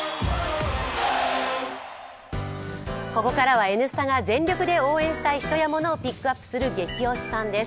ここからは「Ｎスタ」が全力で応援したい人やものをピックアップする「ゲキ推しさん」です。